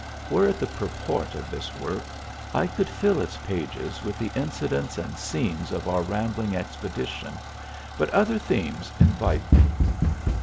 Were it the purport of this work, I could fill its pages with the incidents and scenes of our ram 26 THE ALHAMBRA. bling expedition, but other themes invite me.